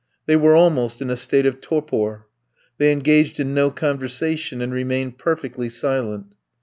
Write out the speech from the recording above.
They were almost in a state of torpor. They engaged in no conversation, and remained perfectly silent.